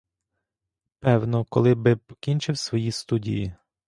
Певно; коли би покінчив свої студії.